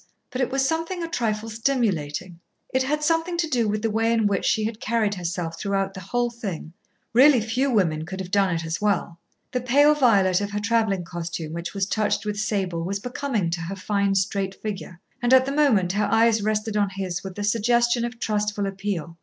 But it was something a trifle stimulating. It had something to do with the way in which she had carried herself throughout the whole thing. Really few women could have done it as well. The pale violet of her travelling costume which was touched with sable was becoming to her fine, straight figure. And at the moment her eyes rested on his with the suggestion of trustful appeal.